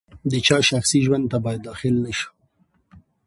د چا شخصي ژوند ته باید داخل نه شو.